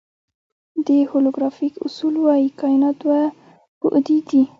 د هولوګرافیک اصول وایي کائنات دوه بعدی دی.